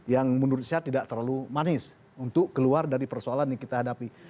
yang menurut saya tidak terlalu manis untuk keluar dari persoalan yang kita hadapi